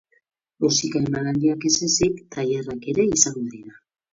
Musika-emanaldiak ez ezik, tailerrak ere izango dira.